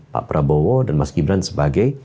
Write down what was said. pak prabowo dan mas gibran sebagai